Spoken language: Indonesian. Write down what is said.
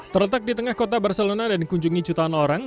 terletak di tengah kota barcelona dan dikunjungi jutaan orang